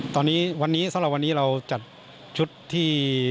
ตอนนี้วันนี้สำหรับวันนี้เราจัดชุดที่